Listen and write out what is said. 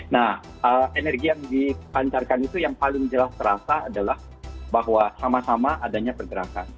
nah energi yang dipancarkan itu yang paling jelas terasa adalah bahwa sama sama adanya pergerakan